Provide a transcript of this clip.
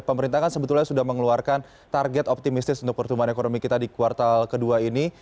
pemerintah kan sebetulnya sudah mengeluarkan target optimistis untuk pertumbuhan ekonomi kita di kuartal kedua ini